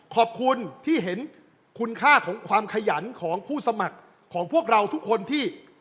ขอบคุณที่เห็นคุณค่าของความขยันของผู้สมัครของพวกเราทุกคนที่